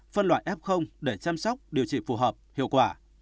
phân loại f để chăm sóc điều trị phù hợp hiệu quả